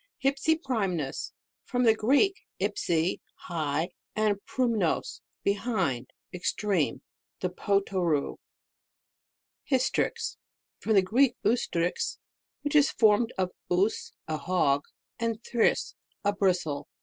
HYFSIPRVMNUS. From the Greek, ipsi, high, nndprumnog, behind, extreme. The Potoroo. HYSTRIX. From the Greek, ustrix. which is formed of us, a hog, and thrix, a bristle.